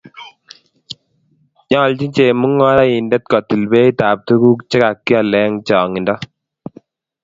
Nyoljin chemungaraindet kotil beitab tuguk che kakial eng changinda